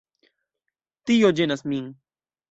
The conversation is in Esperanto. Tio ĝenas min.